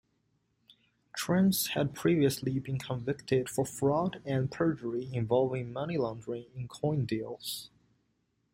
Chrans had previously been convicted for fraud and perjury involving money-laundering in coin deals.